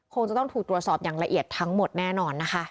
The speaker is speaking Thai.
คงจะต้องถูกตรวจสอบอย่างละเอียดทั้งหมดแน่นอนนะคะ